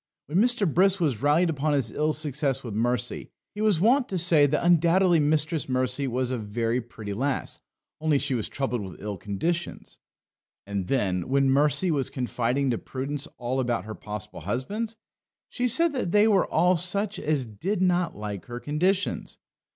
When Mr. Brisk was rallied upon his ill success with Mercy, he was wont to say that undoubtedly Mistress Mercy was a very pretty lass, only she was troubled with ill conditions. And then, when Mercy was confiding to Prudence all about her possible husbands, she said that they were all such as did not like her conditions.